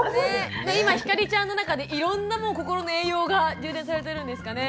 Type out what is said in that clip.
今ひかりちゃんの中でいろんなもう心の栄養が充電されてるんですかね。